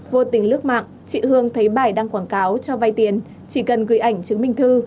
vô tình lướt mạng chị hương thấy bài đăng quảng cáo cho vay tiền chỉ cần gửi ảnh chứng minh thư